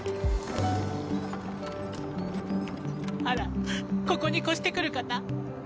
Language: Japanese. あらここに越して来る方？